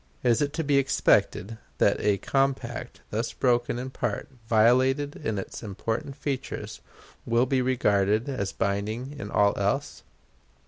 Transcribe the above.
Is it to be expected that a compact thus broken in part, violated in its important features, will be regarded as binding in all else?